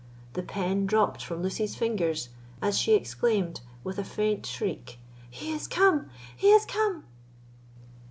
The pen dropped from Lucy's fingers, as she exclaimed with a faint shriek: "He is come—he is come!"